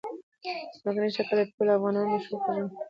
ځمکنی شکل د ټولو افغان ښځو په ژوند کې هم رول لري.